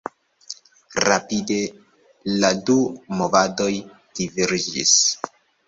Rapide la du movadoj diverĝis.